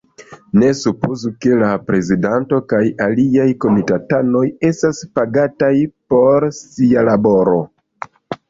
Ne supozu, ke la prezidanto kaj aliaj komitatanoj estas pagataj por sia laboro!